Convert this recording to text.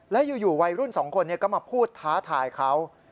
แล้วอยู่วัยรุ่นสองคนก็มาพูดท้าทายเขา